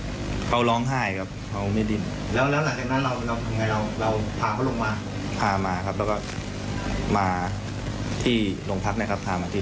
ด้าตัวเขาดินไหมเขาร้องไห้ครับเขาไม่ดินแล้วแล้วหลังจากนั้นเราไหนเราพาเขาลงมาพามาครับแล้วก็มาที่หลวงพักเนี่ยครับพามาที่